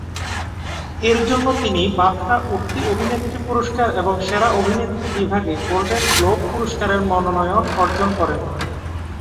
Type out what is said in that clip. এর জন্য তিনি বাফটা উঠতি অভিনেত্রী পুরস্কার এবং সেরা অভিনেত্রী বিভাগে গোল্ডেন গ্লোব পুরস্কারের মনোনয়ন অর্জন করেন।